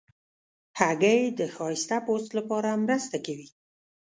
هګۍ د ښایسته پوست لپاره مرسته کوي.